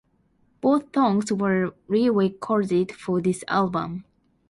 Both songs were re-recorded for this album.